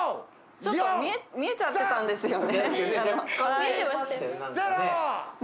ちょっと見えちゃってたんですよね。